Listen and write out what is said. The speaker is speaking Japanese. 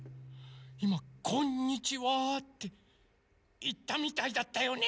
いま「こんにちは」っていったみたいだったよね。